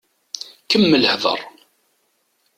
Kemmel hdeṛ.